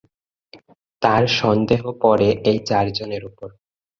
তার সন্দেহ পড়ে এই চারজনের ওপর।